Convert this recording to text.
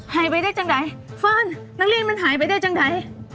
หายไปได้จังใดฟานนักเรียนมันหายไปได้จังไหน